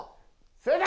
正解！